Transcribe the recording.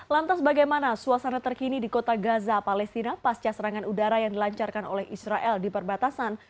lantas bagaimana suasana terkini di kota gaza palestina pasca serangan udara yang dilancarkan oleh israel di perbatasan